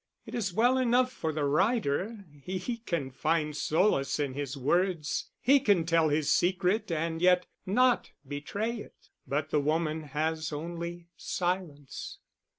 It is well enough for the writer, he can find solace in his words, he can tell his secret and yet not betray it: but the woman has only silence.